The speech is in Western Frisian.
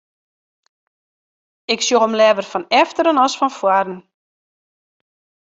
Ik sjoch him leaver fan efteren as fan foaren.